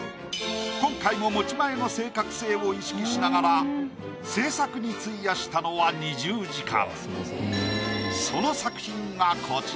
今回も持ち前の正確性を意識しながら制作に費やしたのは２０時間。